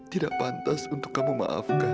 tidak pantas untuk kamu maafkan